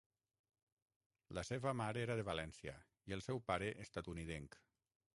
La seva mare era de València i el seu pare estatunidenc.